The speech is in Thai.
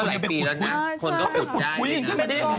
ต้องหลายปีแล้วก็เอ้ยนะ